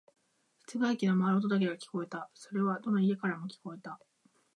室外機の回る音だけが聞こえた。それはどの家からも聞こえた。